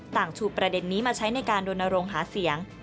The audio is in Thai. ชูประเด็นนี้มาใช้ในการดนโรงหาเสียง